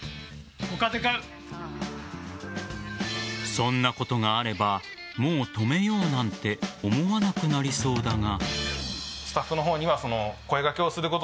そんなことがあればもう止めようなんて思わなくなりそうだが。